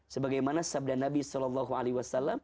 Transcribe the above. sebagaimana sabda nabi saw